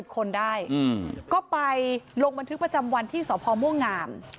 คนได้ก็ไปลงบันทึกประจำวันที่สพม่วงงาม